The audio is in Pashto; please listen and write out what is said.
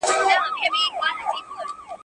همېشه یې وې په شاتو نازولي ..